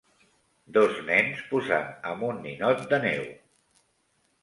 Dos nens posant amb un ninot de neu.